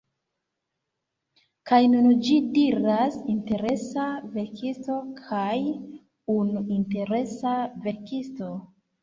Kaj nun ĝi diras "interesa verkisto" kaj "unu interesa verkisto"